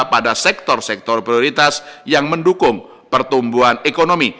pada sektor sektor prioritas yang mendukung pertumbuhan ekonomi